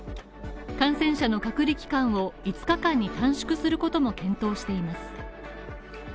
感染者の隔離期間を５日間に短縮することも検討しています。